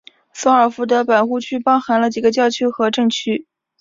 索尔福德百户区包含了几个教区和镇区。